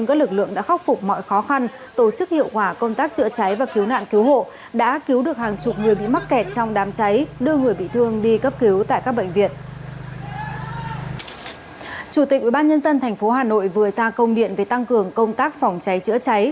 chủ tịch ubnd tp hà nội vừa ra công điện về tăng cường công tác phòng cháy chữa cháy